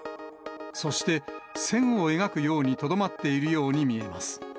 そして、線を描くようにとどまっているように見えます。